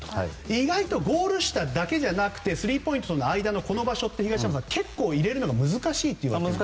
意外とゴール下だけじゃなくてスリーポイントラインの下のこの場所って、結構入れるのが難しいんですよね。